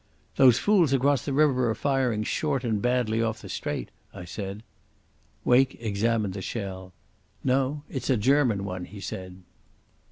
"Those fools across the river are firing short and badly off the straight," I said. Wake examined the shell. "No, it's a German one," he said.